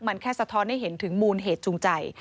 มันแค่สะท้อนให้เห็นถึงมูลเหตุจูงใจ